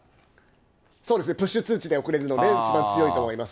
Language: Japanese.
そうですね、プッシュ通知で送れるので、一番強いと思います。